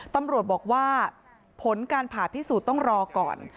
ตำรวจบอกว่าผลการผ่าพิสูจน์ต้องรอก่อน